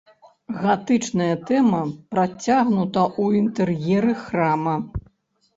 Гатычная тэма працягнута ў інтэр'еры храма.